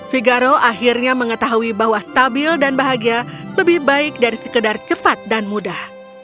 figaro akhirnya mengetahui bahwa stabil dan bahagia lebih baik dari sekedar cepat dan mudah